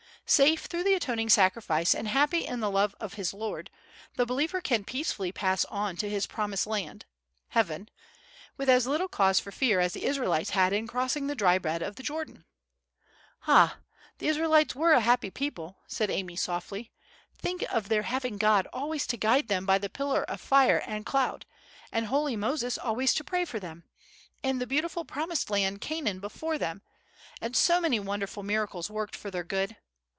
Safe through the atoning sacrifice and happy in the love of his Lord, the believer can peacefully pass on to his promised land—heaven—with as little cause for fear as the Israelites had in crossing the dry bed of the Jordan." "Ah! the Israelites were a happy people," said Amy, softly. "Think of their having God always to guide them by the pillar of fire and cloud, and holy Moses always to pray for them; and the beautiful promised land Canaan before them, and so many wonderful miracles worked for their good!